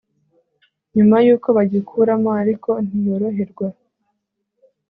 nyuma y uko bagikuramo ariko ntiyoroherwa